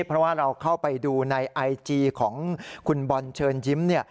เพราะว่าเราเข้าไปดูในไอจีของคุณบอลเชิญยิ้ม